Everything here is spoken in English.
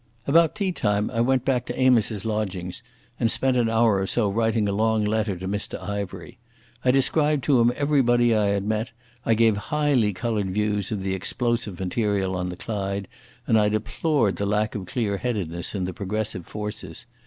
About tea time I went back to Amos's lodgings, and spent an hour or so writing a long letter to Mr Ivery. I described to him everybody I had met, I gave highly coloured views of the explosive material on the Clyde, and I deplored the lack of clearheadedness in the progressive forces.